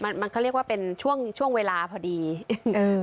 มันมันก็เรียกว่าเป็นช่วงช่วงเวลาพอดีอืม